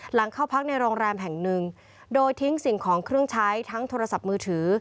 หลังเข้าพักในโรงแรมแห่งหนึ่งโดยทิ้งสิ่งของเครื่องใช้ทั้งโทรศัพท์มือถือ